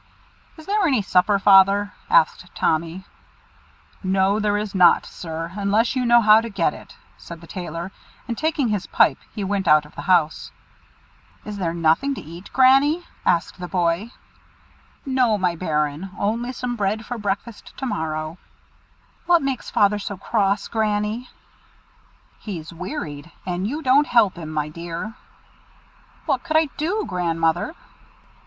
"Is there any supper, Father?" asked Tommy. "No, there is not, Sir, unless you know how to get it," said the Tailor; and taking his pipe, he went out of the house. "Is there really nothing to eat, Granny?" asked the boy. "No, my bairn, only some bread for breakfast to morrow." "What makes Father so cross, Granny?" "He's wearied, and you don't help him, my dear." "What could I do, Grandmother?"